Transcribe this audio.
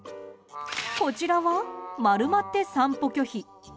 こちらは、丸まって散歩拒否。